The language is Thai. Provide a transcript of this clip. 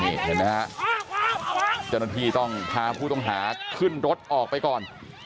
นี่เห็นไหมฮะจนทีต้องพาผู้ต้องหาขึ้นรถออกไปก่อน